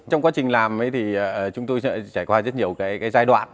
trong quá trình làm chúng tôi trải qua rất nhiều giai đoạn